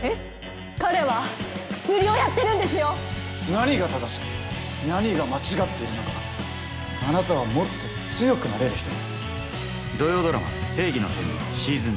何が正しくて何が間違っているのかあなたはもっと強くなれる人だ。